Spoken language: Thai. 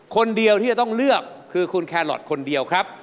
คนเดียวที่จะต้องเลือกคือคุณแครอทคนเดียวครับ